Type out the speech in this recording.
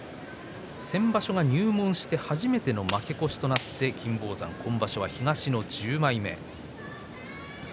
先場所が入門して初めての負け越しとなって金峰山、今場所は東の１０枚目です。